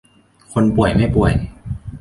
คนป่วยไม่ป่วย